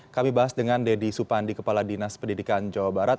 kami bahas dengan deddy supandi kepala dinas pendidikan jawa barat